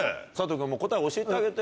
君答え教えてあげて。